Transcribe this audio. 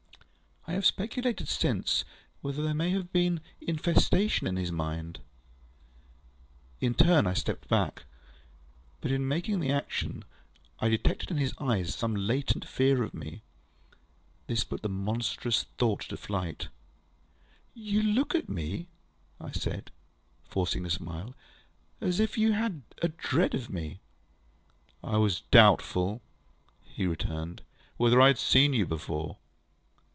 I have speculated since, whether there may have been infection in his mind. In my turn, I stepped back. But in making the action, I detected in his eyes some latent fear of me. This put the monstrous thought to flight. ŌĆ£You look at me, ŌĆØ I said, forcing a smile, ŌĆ£as if you had a dread of me. ŌĆØ ŌĆ£I was doubtful, ŌĆØ he returned, ŌĆ£whether I had seen you before.